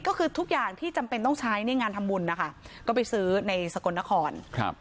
ก็คือทุกอย่างที่จำเป็นต้องใช้ในงานทำบุญนะคะก็ไปซื้อในสกลนครครับ